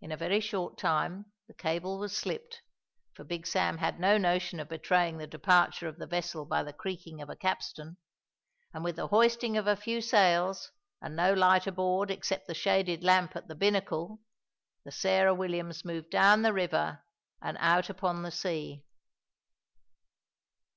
In a very short time the cable was slipped, for Big Sam had no notion of betraying the departure of the vessel by the creaking of a capstan; and, with the hoisting of a few sails and no light aboard except the shaded lamp at the binnacle, the Sarah Williams moved down the river and out upon the sea.